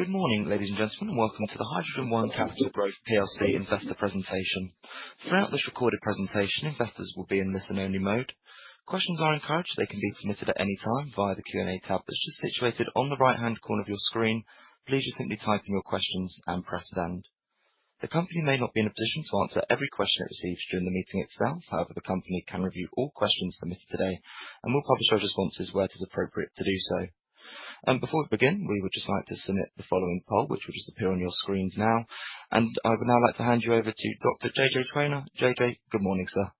Good morning, ladies and gentlemen, and welcome to the HydrogenOne Capital Growth Investor Presentation. Throughout this recorded presentation, investors will be in listen-only mode. Questions are encouraged, they can be submitted at any time via the Q&A tab that's just situated on the right-hand corner of your screen. Please just simply type in your questions and press send. The company may not be in a position to answer every question it receives during the meeting itself, however, the company can review all questions submitted today and will publish our responses where it is appropriate to do so. And before we begin, we would just like to submit the following poll, which will just appear on your screens now. And I would now like to hand you over to Dr. JJ Traynor. JJ, good morning, sir.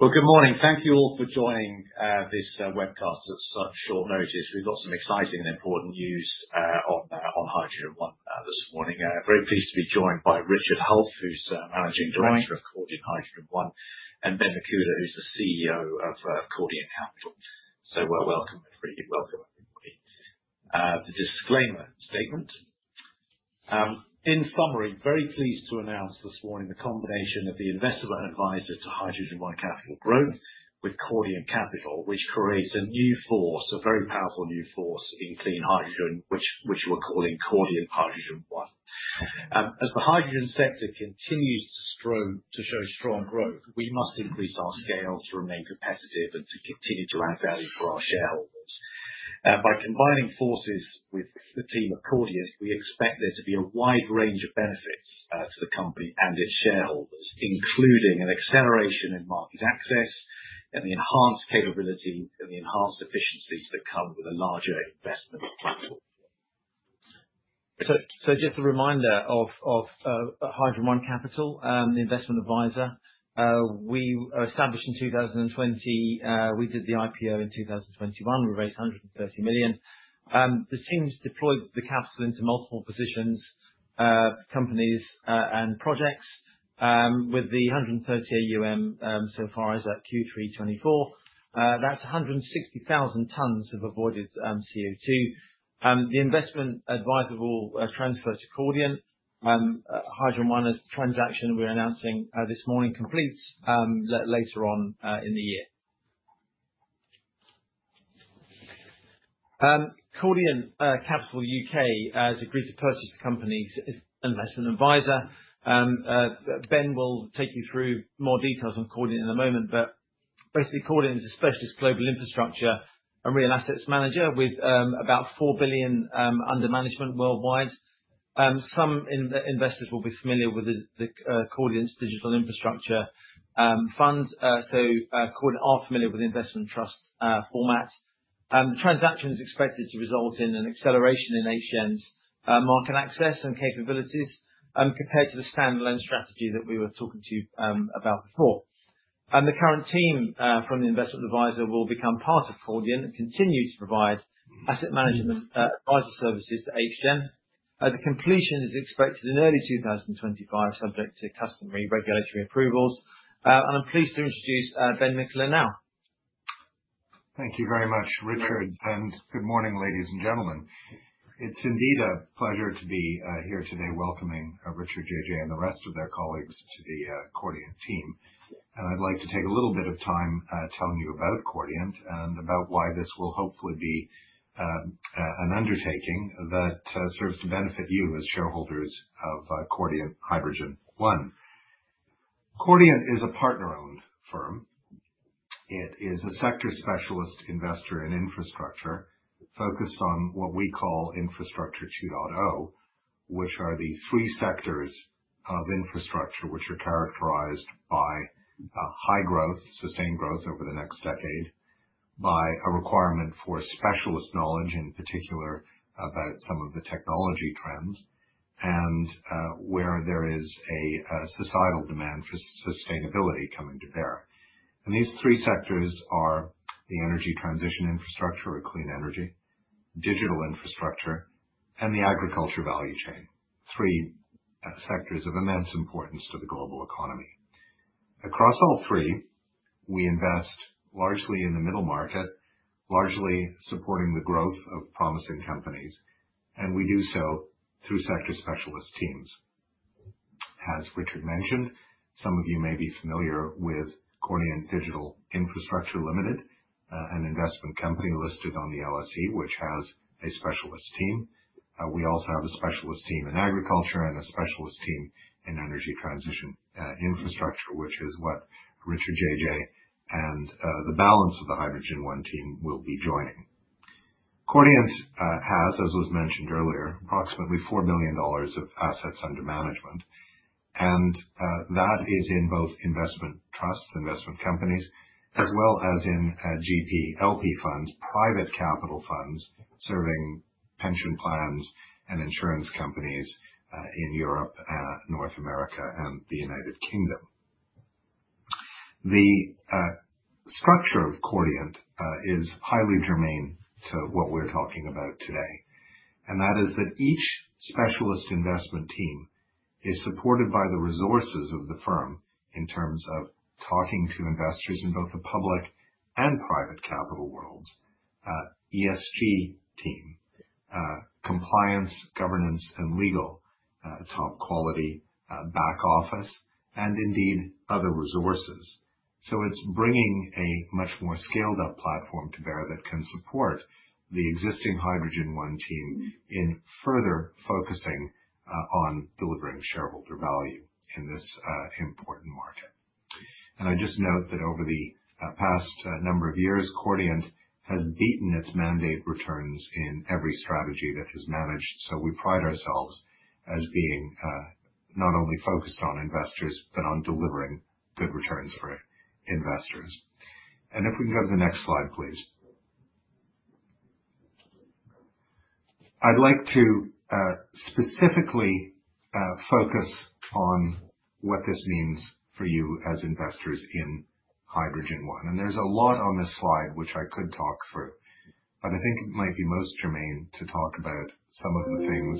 Good morning. Thank you all for joining this webcast at such short notice. We've got some exciting and important news on HydrogenOne this morning. Very pleased to be joined by Richard Hulf, who's Managing Director of Cordiant HydrogenOne, and Benn Mikula, who's the CEO of Cordiant Capital. Welcome, everybody. The disclaimer statement. In summary, very pleased to announce this morning the combination of the investment advisor to HydrogenOne Capital Growth with Cordiant Capital, which creates a new force, a very powerful new force in clean hydrogen, which we're calling Cordiant HydrogenOne. As the hydrogen sector continues to show strong growth, we must increase our scale to remain competitive and to continue to add value for our shareholders. By combining forces with the team at Cordiant, we expect there to be a wide range of benefits to the company and its shareholders, including an acceleration in market access and the enhanced capability and the enhanced efficiencies that come with a larger investment platform. Just a reminder of HydrogenOne Capital, the investment advisor. We were established in 2020. We did the IPO in 2021. We raised 130 million. The team's deployed the capital into multiple positions, companies, and projects. With the 130 million AUM so far as at Q3 2024, that's 160,000 tons of avoided CO2. The investment advisor will transfer to Cordiant. HydrogenOne's transaction we're announcing this morning completes later on in the year. Cordiant Capital UK has agreed to purchase the company's investment advisor. Benn will take you through more details on Cordiant in a moment, but basically, Cordiant is a specialist global infrastructure and real assets manager with about 4 billion under management worldwide. Some investors will be familiar with Cordiant's digital infrastructure fund. Cordiant are familiar with the investment trust format. The transaction is expected to result in an acceleration in HGEN's market access and capabilities compared to the standalone strategy that we were talking to you about before, and the current team from the investment advisor will become part of Cordiant and continue to provide asset management advisor services to HGEN. The completion is expected in early 2025, subject to customary regulatory approvals, and I'm pleased to introduce Benn Mikula now. Thank you very much, Richard. And good morning, ladies and gentlemen. It's indeed a pleasure to be here today welcoming Richard, JJ, and the rest of their colleagues to the Cordiant team. And I'd like to take a little bit of time telling you about Cordiant and about why this will hopefully be an undertaking that serves to benefit you as shareholders of Cordiant HydrogenOne. Cordiant is a partner-owned firm. It is a sector specialist investor in infrastructure focused on what we call Infrastructure 2.0, which are the three sectors of infrastructure which are characterized by high growth, sustained growth over the next decade, by a requirement for specialist knowledge, in particular about some of the technology trends and where there is a societal demand for sustainability coming to bear. These three sectors are the energy transition infrastructure or clean energy, digital infrastructure, and the agriculture value chain, three sectors of immense importance to the global economy. Across all three, we invest largely in the middle market, largely supporting the growth of promising companies, and we do so through sector specialist teams. As Richard mentioned, some of you may be familiar with Cordiant Digital Infrastructure Limited, an investment company listed on the LSE, which has a specialist team. We also have a specialist team in agriculture and a specialist team in energy transition infrastructure, which is what Richard, JJ, and the balance of the HydrogenOne team will be joining. Cordiant has, as was mentioned earlier, approximately $4 billion of assets under management. That is in both investment trusts, investment companies, as well as in GP/LP funds, private capital funds serving pension plans and insurance companies in Europe, North America, and the United Kingdom. The structure of Cordiant is highly germane to what we're talking about today. That is that each specialist investment team is supported by the resources of the firm in terms of talking to investors in both the public and private capital worlds, ESG team, compliance, governance, and legal, top quality, back office, and indeed other resources. It's bringing a much more scaled-up platform to bear that can support the existing HydrogenOne team in further focusing on delivering shareholder value in this important market. I just note that over the past number of years, Cordiant has beaten its mandate returns in every strategy that has managed. We pride ourselves as being not only focused on investors, but on delivering good returns for investors. If we can go to the next slide, please. I'd like to specifically focus on what this means for you as investors in HydrogenOne. There's a lot on this slide, which I could talk for, but I think it might be most germane to talk about some of the things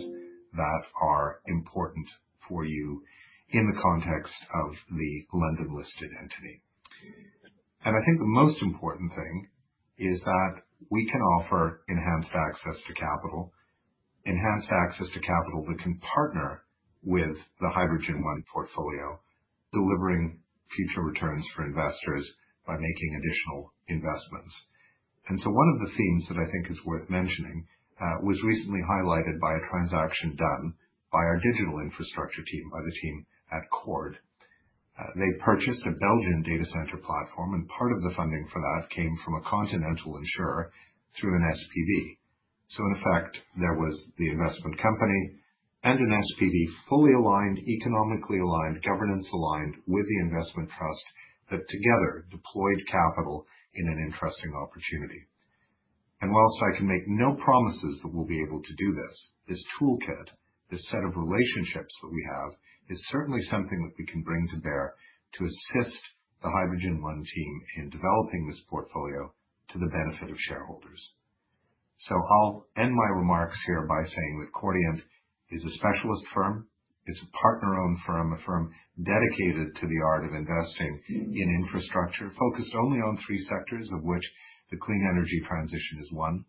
that are important for you in the context of the London-listed entity. I think the most important thing is that we can offer enhanced access to capital, enhanced access to capital that can partner with the HydrogenOne portfolio, delivering future returns for investors by making additional investments. One of the themes that I think is worth mentioning was recently highlighted by a transaction done by our digital infrastructure team, by the team at Cordiant. They purchased a Belgian data center platform, and part of the funding for that came from a continental insurer through an SPV. So in effect, there was the investment company and an SPV fully aligned, economically aligned, governance aligned with the investment trust that together deployed capital in an interesting opportunity, and whilst I can make no promises that we'll be able to do this, this toolkit, this set of relationships that we have is certainly something that we can bring to bear to assist the HydrogenOne team in developing this portfolio to the benefit of shareholders, so I'll end my remarks here by saying that Cordiant is a specialist firm. It's a partner-owned firm, a firm dedicated to the art of investing in infrastructure, focused only on three sectors, of which the clean energy transition is one.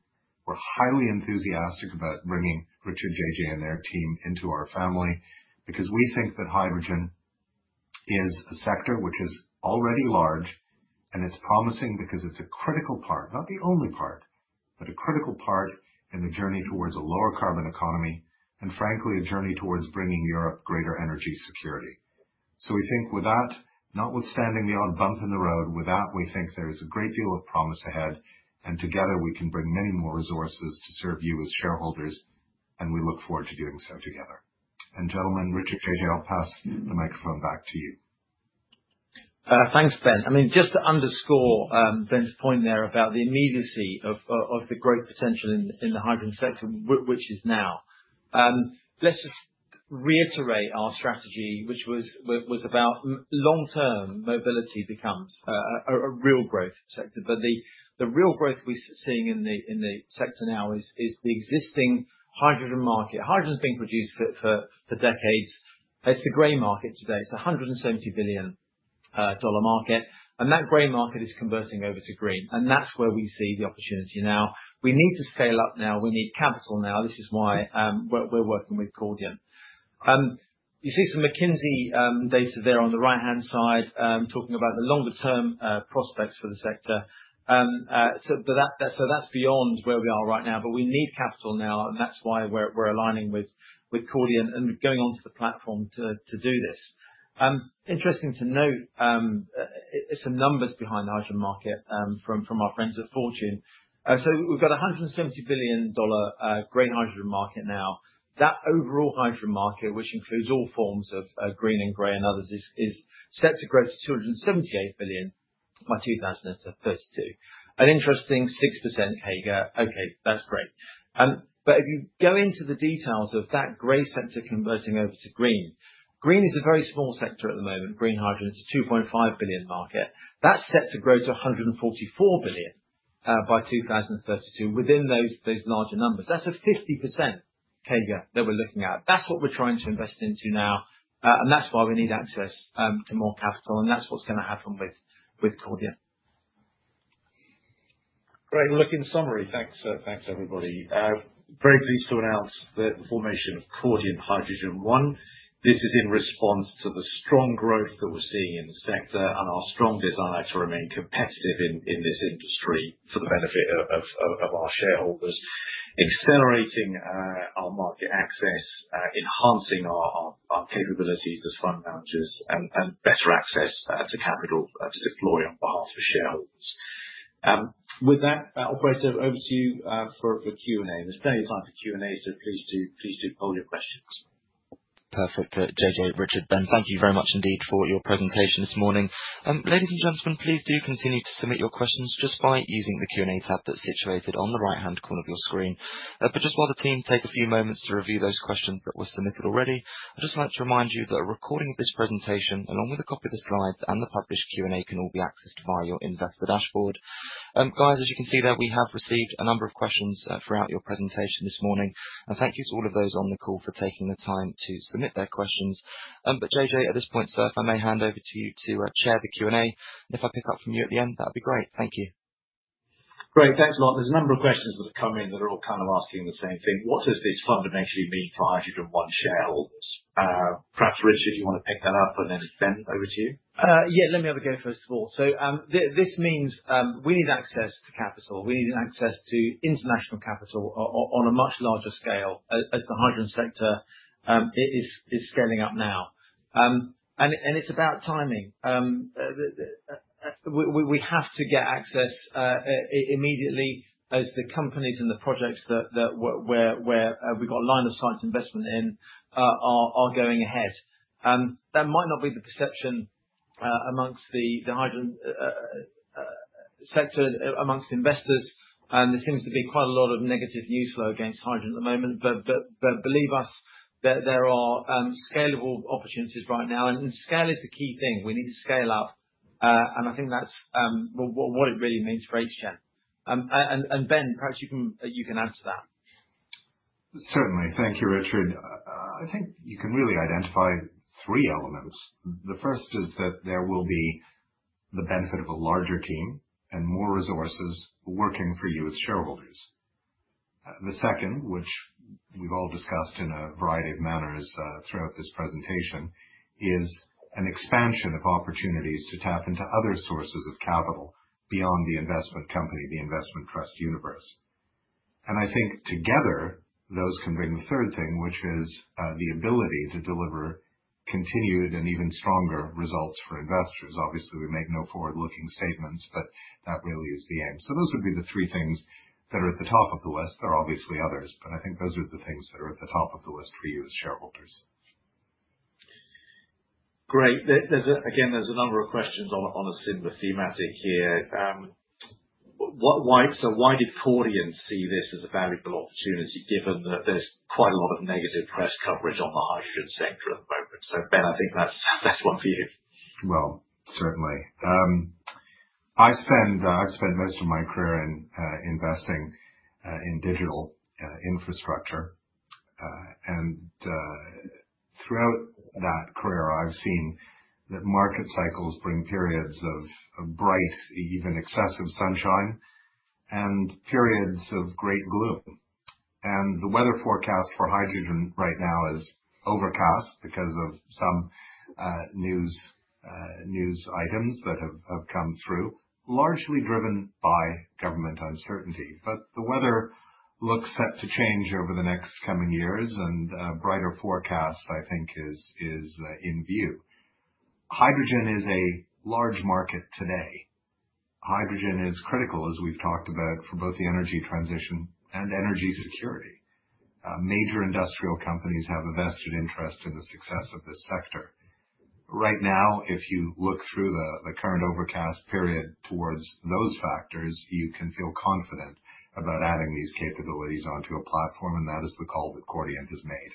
We're highly enthusiastic about bringing Richard, JJ, and their team into our family because we think that hydrogen is a sector which is already large, and it's promising because it's a critical part, not the only part, but a critical part in the journey towards a lower carbon economy and, frankly, a journey towards bringing Europe greater energy security, so we think with that, notwithstanding the odd bump in the road, with that, we think there is a great deal of promise ahead, and together we can bring many more resources to serve you as shareholders, and we look forward to doing so together, and gentlemen, Richard, JJ, I'll pass the microphone back to you. Thanks, Ben. I mean, just to underscore Ben's point there about the immediacy of the growth potential in the hydrogen sector, which is now. Let's just reiterate our strategy, which was about long-term mobility becomes a real growth sector. But the real growth we're seeing in the sector now is the existing hydrogen market. Hydrogen's been produced for decades. It's the gray market today. It's a $170 billion market. And that gray market is converting over to green. And that's where we see the opportunity now. We need to scale up now. We need capital now. This is why we're working with Cordiant. You see some McKinsey data there on the right-hand side talking about the longer-term prospects for the sector. So that's beyond where we are right now, but we need capital now, and that's why we're aligning with Cordiant and going onto the platform to do this. Interesting to note some numbers behind the hydrogen market from our friends at Fortune. So we've got a $170 billion gray hydrogen market now. That overall hydrogen market, which includes all forms of green and gray and others, is set to grow to $278 billion by 2032. An interesting 6% CAGR. Okay, that's great. But if you go into the details of that gray sector converting over to green, green is a very small sector at the moment. Green hydrogen is a $2.5 billion market. That's set to grow to $144 billion by 2032 within those larger numbers. That's a 50% CAGR that we're looking at. That's what we're trying to invest into now, and that's why we need access to more capital, and that's what's going to happen with Cordiant. Great. Looking summary, thanks, everybody. Very pleased to announce the formation of Cordiant HydrogenOne. This is in response to the strong growth that we're seeing in the sector and our strong desire to remain competitive in this industry for the benefit of our shareholders, accelerating our market access, enhancing our capabilities as fund managers, and better access to capital to deploy on behalf of shareholders. With that, I'll pass it over to you for a Q&A. There's plenty of time for Q&A, so please do poll your questions. Perfect. JJ, Richard, Benn, thank you very much indeed for your presentation this morning. Ladies and gentlemen, please do continue to submit your questions just by using the Q&A tab that's situated on the right-hand corner of your screen. But just while the team take a few moments to review those questions that were submitted already, I'd just like to remind you that a recording of this presentation, along with a copy of the slides and the published Q&A, can all be accessed via your investor dashboard. Guys, as you can see there, we have received a number of questions throughout your presentation this morning. And thank you to all of those on the call for taking the time to submit their questions. But JJ, at this point, Sir, if I may hand over to you to chair the Q&A. If I pick up from you at the end, that would be great. Thank you. Great. Thanks a lot. There's a number of questions that have come in that are all kind of asking the same thing. What does this fundamentally mean for HydrogenOne shareholders? Perhaps, Richard, you want to pick that up, and then it's Benn over to you. Yeah, let me have a go first of all. So this means we need access to capital. We need access to international capital on a much larger scale as the hydrogen sector is scaling up now. And it's about timing. We have to get access immediately as the companies and the projects that we've got a line of sight investment in are going ahead. That might not be the perception among the hydrogen sector, among investors. And there seems to be quite a lot of negative news flow against hydrogen at the moment. But believe us, there are scalable opportunities right now. And scale is the key thing. We need to scale up. And I think that's what it really means for HGEN. And Ben, perhaps you can add to that. Certainly. Thank you, Richard. I think you can really identify three elements. The first is that there will be the benefit of a larger team and more resources working for you as shareholders. The second, which we've all discussed in a variety of manners throughout this presentation, is an expansion of opportunities to tap into other sources of capital beyond the investment company, the investment trust universe. And I think together, those can bring the third thing, which is the ability to deliver continued and even stronger results for investors. Obviously, we make no forward-looking statements, but that really is the aim. So those would be the three things that are at the top of the list. There are obviously others, but I think those are the things that are at the top of the list for you as shareholders. Great. Again, there's a number of questions on a similar theme here. So why did Cordiant see this as a valuable opportunity given that there's quite a lot of negative press coverage on the hydrogen sector at the moment? So Benn, I think that's one for you. Certainly. I spent most of my career investing in digital infrastructure. And throughout that career, I've seen that market cycles bring periods of bright, even excessive sunshine and periods of great gloom. And the weather forecast for hydrogen right now is overcast because of some news items that have come through, largely driven by government uncertainty. But the weather looks set to change over the next coming years, and a brighter forecast, I think, is in view. Hydrogen is a large market today. Hydrogen is critical, as we've talked about, for both the energy transition and energy security. Major industrial companies have a vested interest in the success of this sector. Right now, if you look through the current overcast period towards those factors, you can feel confident about adding these capabilities onto a platform, and that is the call that Cordiant has made.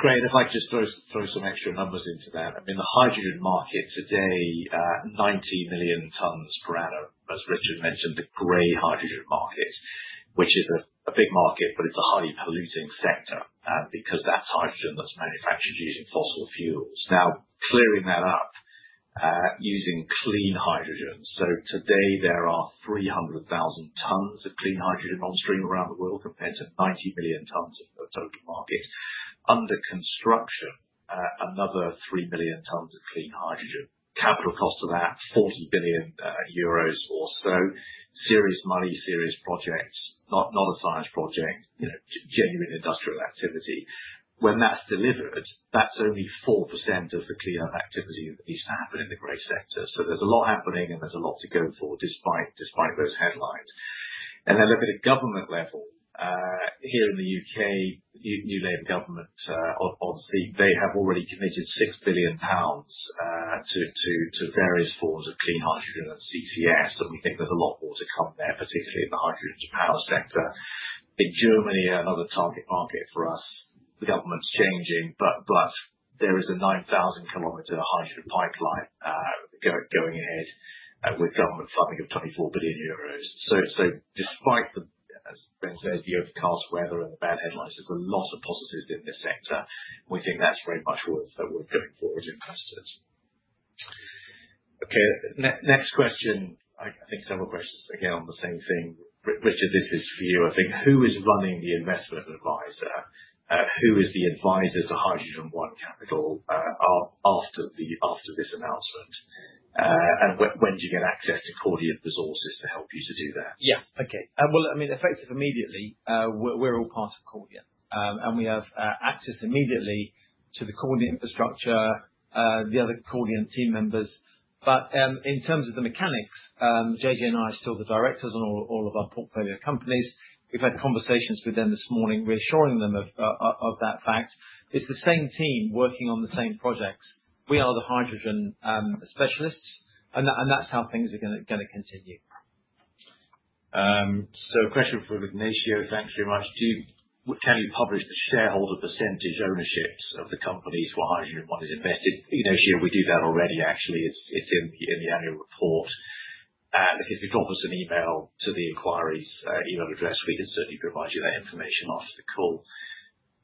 Great. I'd like to just throw some extra numbers into that. I mean, the hydrogen market today, 90 million tons per annum, as Richard mentioned, the gray hydrogen market, which is a big market, but it's a highly polluting sector because that's hydrogen that's manufactured using fossil fuels. Now, clearing that up, using clean hydrogen. So today, there are 300,000 tons of clean hydrogen on stream around the world compared to 90 million tons of the total market. Under construction, another 3 million tons of clean hydrogen. Capital cost of that, 40 billion euros or so. Serious money, serious projects, not a science project, genuine industrial activity. When that's delivered, that's only 4% of the cleanup activity that needs to happen in the gray sector. So there's a lot happening, and there's a lot to go for despite those headlines, and then look at a government level. Here in the U.K., new Labour government, obviously, they have already committed 6 billion pounds to various forms of clean hydrogen and CCS, and we think there's a lot more to come there, particularly in the hydrogen-to-power sector. In Germany, another target market for us. The government's changing, but there is a 9,000 km hydrogen pipeline going ahead with government funding of 24 billion euros, so despite the, as Ben says, the overcast weather and the bad headlines, there's a lot of positives in this sector. We think that's very much worth going forward investors. Okay. Next question. I think several questions again on the same thing. Richard, this is for you. I think who is running the investment advisor? Who is the advisor to HydrogenOne Capital after this announcement? And when do you get access to Cordiant resources to help you to do that? Yeah. Okay. Well, I mean, effective immediately, we're all part of Cordiant. And we have access immediately to the Cordiant infrastructure, the other Cordiant team members. But in terms of the mechanics, JJ and I are still the directors on all of our portfolio companies. We've had conversations with them this morning, reassuring them of that fact. It's the same team working on the same projects. We are the hydrogen specialists, and that's how things are going to continue. A question for Ignacio. Thanks very much. Can you publish the shareholder percentage ownerships of the companies where HydrogenOne is invested? Ignacio, we do that already, actually. It's in the annual report. If you could drop us an email to the inquiries email address, we can certainly provide you that information after the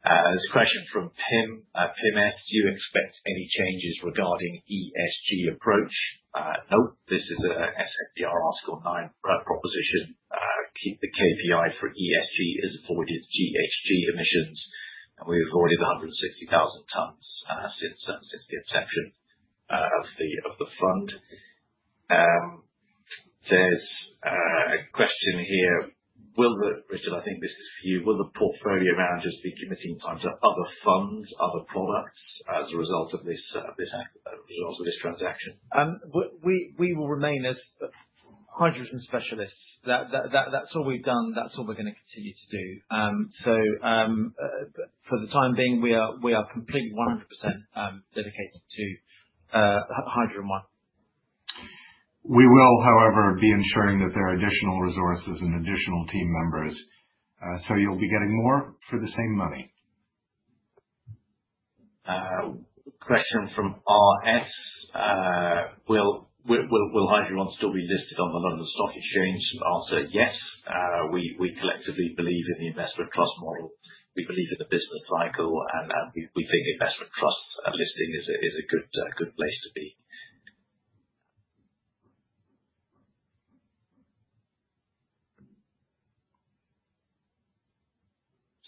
call. There's a question from Pim. Pim asked, do you expect any changes regarding ESG approach? Nope. This is an SFDR Article 9 proposition. The KPI for ESG is avoided GHG emissions. We've avoided 160,000 tons since the inception of the fund. There's a question here. Richard, I think this is for you. Will the portfolio managers be committing time to other funds, other products as a result of this transaction? We will remain as hydrogen specialists. That's all we've done. That's all we're going to continue to do. So for the time being, we are completely 100% dedicated to HydrogenOne. We will, however, be ensuring that there are additional resources and additional team members. So you'll be getting more for the same money. Question from RS. Will HydrogenOne still be listed on the London Stock Exchange? Answer, yes. We collectively believe in the investment trust model. We believe in the business cycle, and we think investment trust listing is a good place to be.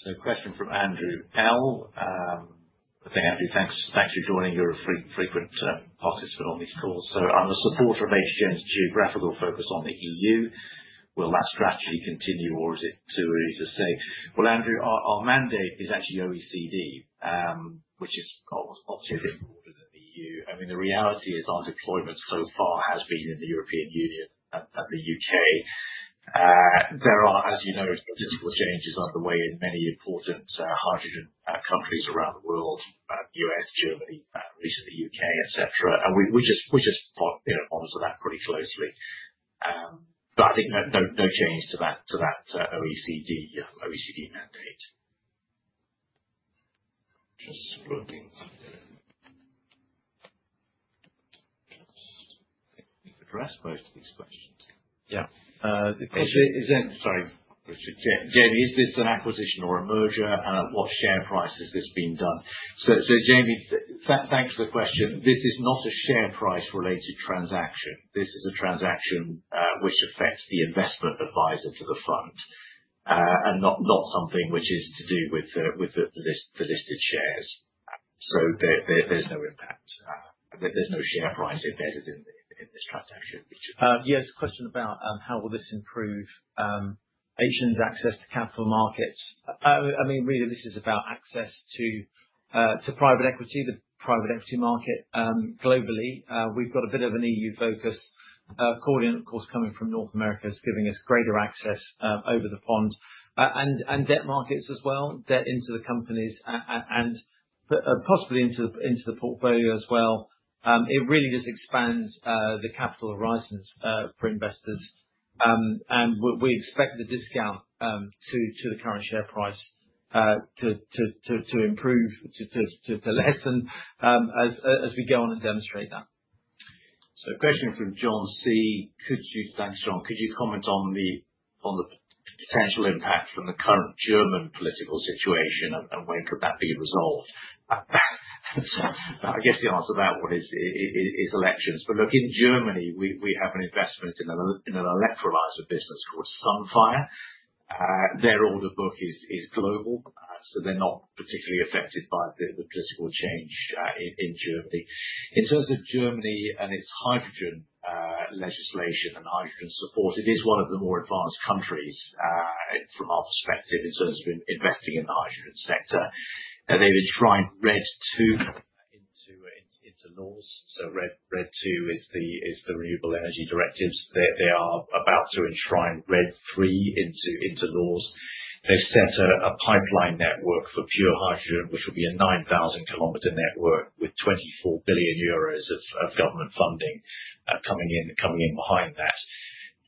So a question from Andrew L. I think, Andrew, thanks for joining. You're a frequent participant on these calls. So I'm a supporter of HGEN's geographical focus on the EU. Will that strategy continue, or is it too early to say? Well, Andrew, our mandate is actually OECD, which is obviously a bit broader than the EU. I mean, the reality is our deployment so far has been in the European Union and the U.K. There are, as you know, statistical changes underway in many important hydrogen countries around the world: the U.S., Germany, recently the U.K., etc. And we just monitor that pretty closely. But I think no change to that OECD mandate. Just looking. I think we've addressed most of these questions. Yeah. Is it? Sorry, Richard. Jamie, is this an acquisition or a merger? What share price has this been done? So Jamie, thanks for the question. This is not a share price-related transaction. This is a transaction which affects the investment advisor to the fund and not something which is to do with the listed shares. So there's no impact. There's no share price embedded in this transaction. Yeah. It's a question about how will this improve HGEN's access to capital markets? I mean, really, this is about access to private equity, the private equity market globally. We've got a bit of an EU focus. Cordiant, of course, coming from North America is giving us greater access over the pond and debt markets as well, debt into the companies and possibly into the portfolio as well. It really just expands the capital horizons for investors, and we expect the discount to the current share price to improve, to lessen as we go on and demonstrate that. A question from John C. Thanks, John. Could you comment on the potential impact from the current German political situation, and when could that be resolved? I guess the answer to that one is elections. But look, in Germany, we have an investment in an electrolyzer business called Sunfire. Their order book is global, so they're not particularly affected by the political change in Germany. In terms of Germany and its hydrogen legislation and hydrogen support, it is one of the more advanced countries from our perspective in terms of investing in the hydrogen sector. They've enshrined RED II into laws. So RED II is the renewable energy directives. They are about to enshrine RED III into laws. They've set a pipeline network for pure hydrogen, which will be a 9,000 km network with 24 billion euros of government funding coming in behind that.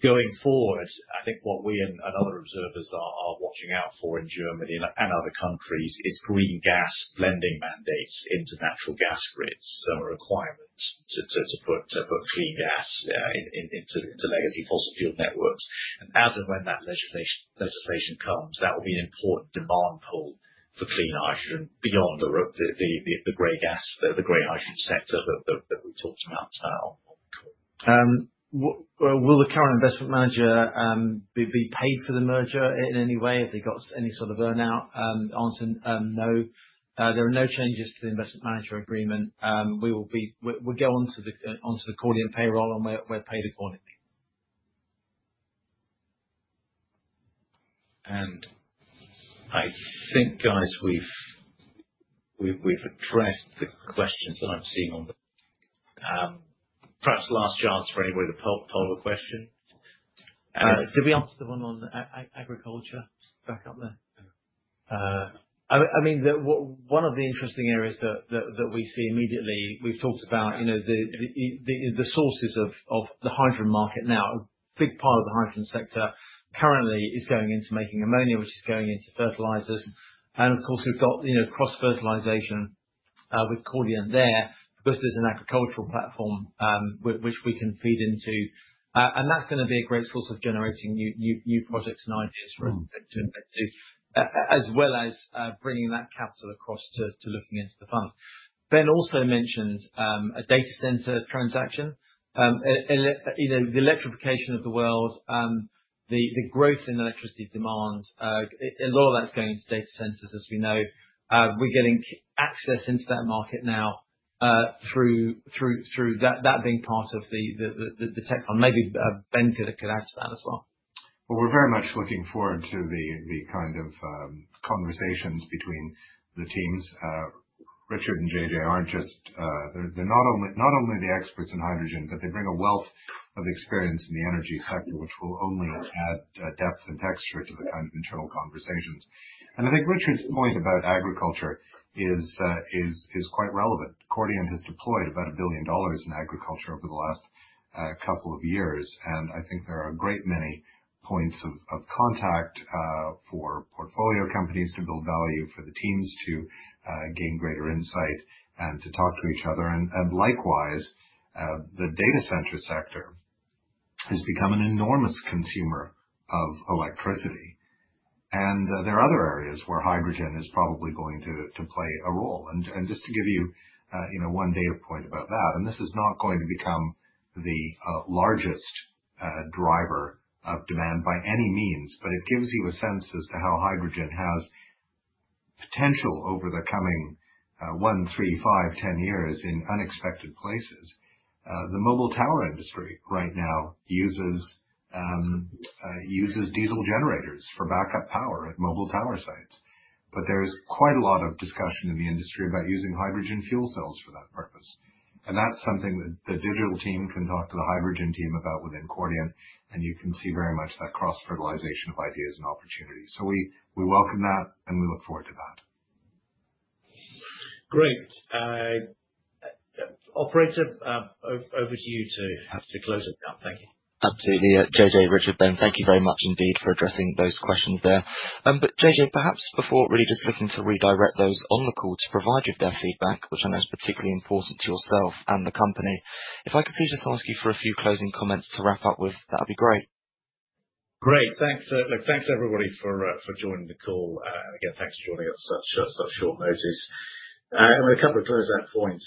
Going forward, I think what we and other observers are watching out for in Germany and other countries is green gas blending mandates into natural gas grids. So a requirement to put clean gas into legacy fossil fuel networks, and as and when that legislation comes, that will be an important demand pull for clean hydrogen beyond the gray gas, the gray hydrogen sector that we talked about on the call. Will the current investment manager be paid for the merger in any way? Have they got any sort of buyout? Answer, no. There are no changes to the investment manager agreement. We'll go on to the Cordiant payroll, and we're paid accordingly. I think, guys, we've addressed the questions that I'm seeing on the perhaps last chance for anybody to poll a question. Did we answer the one on agriculture back up there? I mean, one of the interesting areas that we see immediately. We've talked about the sources of the hydrogen market now. A big part of the hydrogen sector currently is going into making ammonia, which is going into fertilizers, and of course, we've got cross-fertilization with Cordiant there because there's an agricultural platform which we can feed into, and that's going to be a great source of generating new projects and ideas for us to invest in, as well as bringing that capital across to looking into the fund. Ben also mentioned a data center transaction. The electrification of the world, the growth in electricity demand, a lot of that's going into data centers, as we know. We're getting access into that market now through that being part of the tech fund. Maybe Ben could add to that as well. We're very much looking forward to the kind of conversations between the teams. Richard and JJ are not only the experts in hydrogen, but they bring a wealth of experience in the energy sector, which will only add depth and texture to the kind of internal conversations. I think Richard's point about agriculture is quite relevant. Cordiant has deployed about $1 billion in agriculture over the last couple of years. I think there are a great many points of contact for portfolio companies to build value for the teams to gain greater insight and to talk to each other. Likewise, the data center sector has become an enormous consumer of electricity. There are other areas where hydrogen is probably going to play a role. Just to give you one data point about that, and this is not going to become the largest driver of demand by any means, but it gives you a sense as to how hydrogen has potential over the coming one, three, five, 10 years in unexpected places. The mobile tower industry right now uses diesel generators for backup power at mobile tower sites. But there's quite a lot of discussion in the industry about using hydrogen fuel cells for that purpose. And that's something that the digital team can talk to the hydrogen team about within Cordiant. And you can see very much that cross-fertilization of ideas and opportunities. So we welcome that, and we look forward to that. Great. Operator, over to you to close it down. Thank you. Absolutely. JJ, Richard, Ben, thank you very much indeed for addressing those questions there. But JJ, perhaps before really just looking to redirect those on the call to provide you with their feedback, which I know is particularly important to yourself and the company, if I could please just ask you for a few closing comments to wrap up with, that would be great. Great. Thanks. Look, thanks everybody for joining the call. And again, thanks for joining us at such short notice. And with a couple of closing points,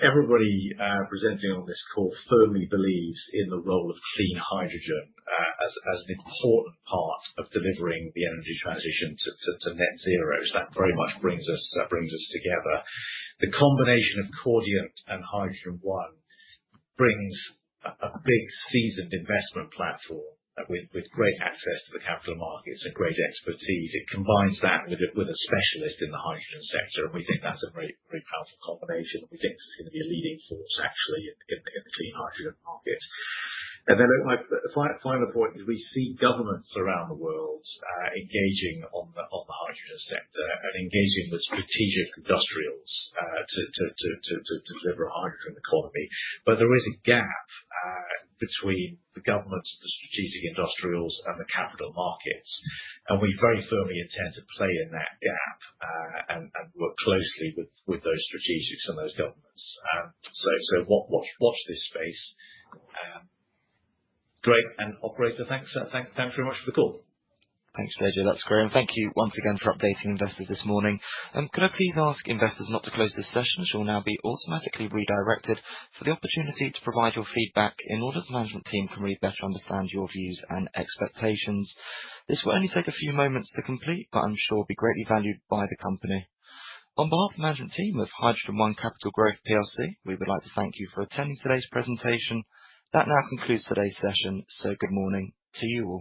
everybody presenting on this call firmly believes in the role of clean hydrogen as an important part of delivering the energy transition to net zero. That very much brings us together. The combination of Cordiant and HydrogenOne brings a big seasoned investment platform with great access to the capital markets and great expertise. It combines that with a specialist in the hydrogen sector. And we think that's a very powerful combination. We think this is going to be a leading force, actually, in the clean hydrogen market. And then my final point is we see governments around the world engaging on the hydrogen sector and engaging with strategic industrials to deliver a hydrogen economy. But there is a gap between the governments, the strategic industrials, and the capital markets. And we very firmly intend to play in that gap and work closely with those strategics and those governments. So watch this space. Great. And Operator, thanks. Thanks very much for the call. Thanks, JJ That's great. And thank you once again for updating investors this morning. Could I please ask investors not to close this session? It will now be automatically redirected for the opportunity to provide your feedback in order the management team can really better understand your views and expectations. This will only take a few moments to complete, but I'm sure it will be greatly valued by the company. On behalf of the management team of HydrogenOne Capital Growth PLC, we would like to thank you for attending today's presentation. That now concludes today's session. So good morning to you all.